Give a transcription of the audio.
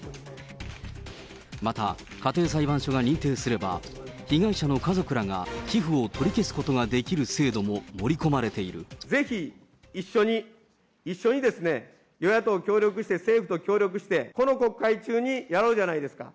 また、家庭裁判所が認定すれば、被害者の家族らが、寄付を取り消すことができる制度も盛り込まれぜひ、一緒に、一緒にですね、与野党協力して、政府と協力して、この国会中にやろうじゃないですか。